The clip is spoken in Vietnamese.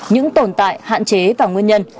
những tồn tại hạn chế và nguyên nhân